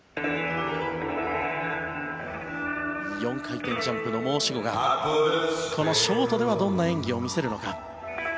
４回転ジャンプの申し子がこのショートではどんな演技を見せるのか。